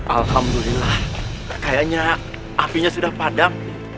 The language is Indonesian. alhamdulillah kayaknya apinya sudah padam